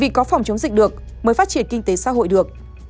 vì có phòng chống dịch được mới phát triển kinh tế xã hội được